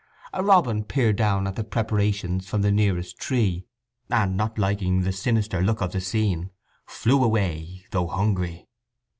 A robin peered down at the preparations from the nearest tree, and, not liking the sinister look of the scene, flew away, though hungry.